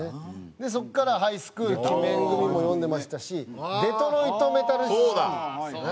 でそこから『ハイスクール！奇面組』も読んでましたし『デトロイト・メタル・シティ』からの『ＫＡＰＰＥＩ』。